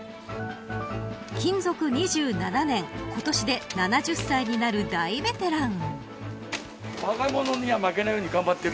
勤続２７年今年で７０歳になる大ベテラン。